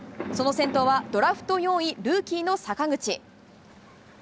その先頭はドラフト４位、ルーキーの阪口。